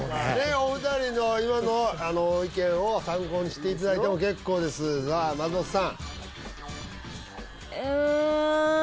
お二人の今の意見を参考にしていただいても結構ですさあ松本さん